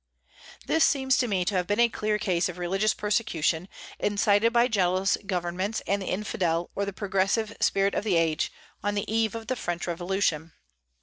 This seems to me to have been a clear case of religious persecution, incited by jealous governments and the infidel or the progressive spirit of the age, on the eve of the French Revolution.